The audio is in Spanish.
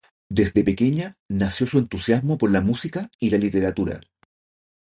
Desde pequeña nació su entusiasmo por la música y la literatura.